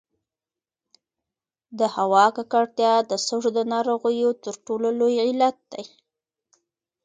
د هوا ککړتیا د سږو د ناروغیو تر ټولو لوی علت دی.